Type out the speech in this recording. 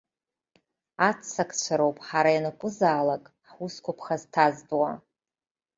Аццакцәароуп ҳара ианакәызаалак ҳусқәа ԥхасҭазтәуа.